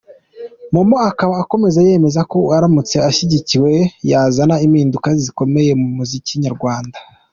Momo akaba akomeza yemeza ko aramutse ashyigikiwe yazana impinduka zikomeye mu muziki nyarwanda.